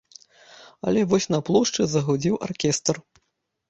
Але вось на плошчы загудзеў аркестр.